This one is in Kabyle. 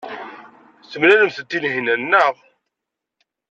Temlalemt-d Tunhinan, naɣ?